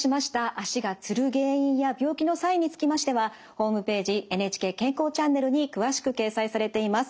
足がつる原因や病気のサインにつきましてはホームページ「ＮＨＫ健康チャンネル」に詳しく掲載されています。